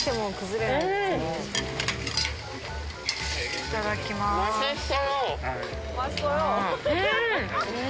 いただきますうん！